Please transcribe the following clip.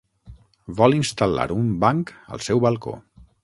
Vol instal·lar un banc al seu balcó.